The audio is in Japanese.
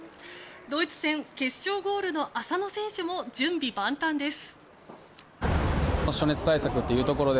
ドイツ戦決勝ゴールの浅野選手も準備万端です。